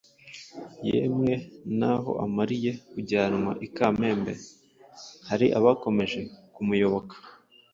Yemwe naho amariye kujyanwa i Kamembe, hari abakomeje kumuyoboka.